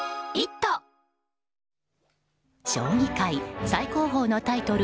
将棋界最高峰のタイトル